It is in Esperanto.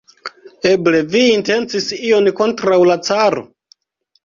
Eble vi intencis ion kontraŭ la caro?